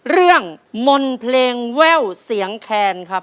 เรื่องมนต์เพลงแว่วเสียงแขนครับ